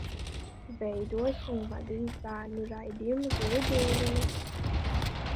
"Veidojis un vadījis bērnu raidījumu "Zili Brīnumi"."